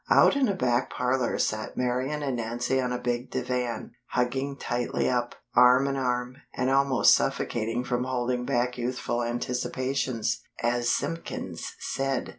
Out in a back parlor sat Marian and Nancy on a big divan, hugging tightly up, arm in arm, and almost suffocating from holding back youthful anticipations, as Simpkins said